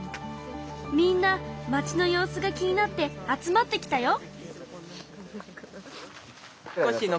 みんな町の様子が気になって集まってきたよ。